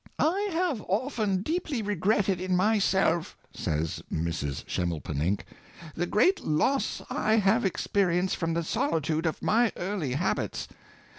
^' I have often deeply regretted in myself," says Mrs. Schimmelpenninck, " the great loss I have experienced from the solitude of my early habits.